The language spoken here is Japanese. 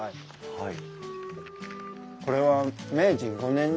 はい。